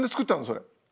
それ。